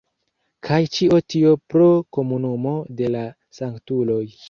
Kaj ĉio tio pro Komunumo de la Sanktuloj.